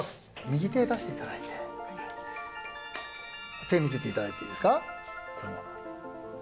右手出していただいて手見てていただいていいですか？